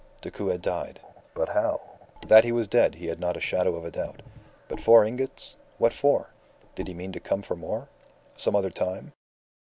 Decoud had died. But how? That he was dead he had not a shadow of a doubt. But four ingots? ... What for? Did he mean to come for more some other time?